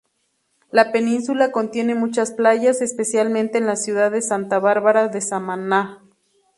La península contiene muchas playas, especialmente en la ciudad de Santa Bárbara de Samaná.